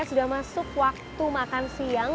sudah masuk waktu makan siang